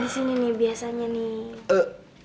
masih beli nih saya diet lian